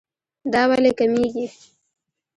دا ولې کميږي